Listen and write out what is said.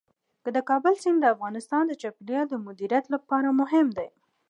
د کابل سیند د افغانستان د چاپیریال د مدیریت لپاره مهم دی.